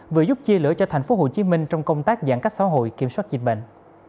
và giúp chia lửa cho thành phố hồ chí minh trong công tác giãn cách xã hội kiểm soát dịch bệnh